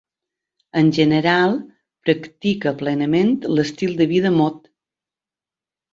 En general, practica plenament l'estil de vida mod.